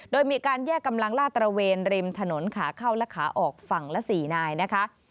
โดยมีการแยกกำลังลาดตระเวนริมถนนขาเข้าและขาออกฝั่งละ๔นายนะคะ